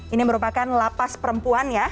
ini merupakan lapas perempuan ya